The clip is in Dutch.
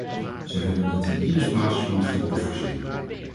Zij willen dat in ieders basisbehoeften wordt voorzien.